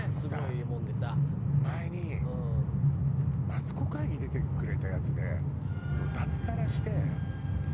あのさ前に『マツコ会議』出てくれたヤツで。